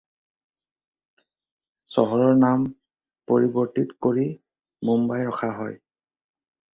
চহৰৰ নাম পৰিবৰ্তিত কৰি মুম্বাই ৰখা হয়।